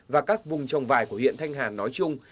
và các vùng trồng vải của huyện thanh hà nói chung